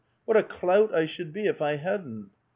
What a clout I should be if I hadn't